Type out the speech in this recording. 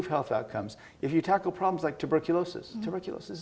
dalam bidang kesehatan pendidikan